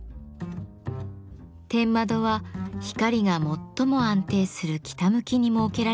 天窓は光が最も安定する北向きに設けられています。